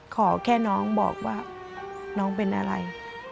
ขอแค่น้องบอกว่าน้องเป็นอะไร